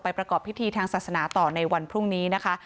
ประกอบพิธีทางศาสนาต่อในวันพรุ่งนี้นะคะ